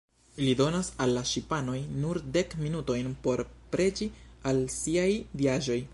Li donas al la ŝipanoj nur dek minutojn por preĝi al siaj diaĵoj.